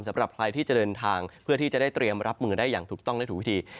สำหรับใครที่จะเดินทางเพื่อที่จะได้เตรียมรับมือได้อย่างถูกต้องได้ถูกวิธี